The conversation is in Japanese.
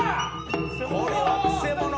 これはくせ者。